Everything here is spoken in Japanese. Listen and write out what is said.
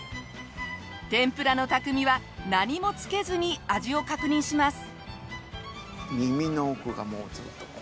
天ぷらの匠は何もつけずに味を確認します。